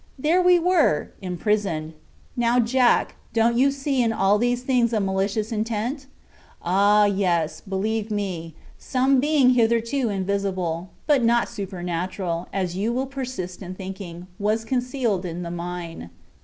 There we were—imprisoned. Now, Jack, don't you see in all these things a malicious intention? Ah, yes, believe me, some being hitherto invisible, but not supernatural, as you will persist in thinking, was concealed in the mine.